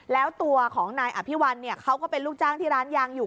แล้วตัวของนายอภิวัลเขาก็เป็นลูกจ้างที่ร้านยางอยู่